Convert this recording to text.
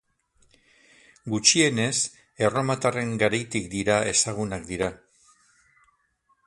Gutxienez, erromatarren garaitik dira ezagunak dira.